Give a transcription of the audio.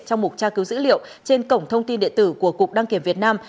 trong mục tra cứu dữ liệu trên cổng thông tin điện tử của cục đăng kiểm việt nam